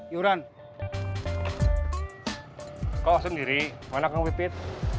iuran kau sendiri mana kang pipit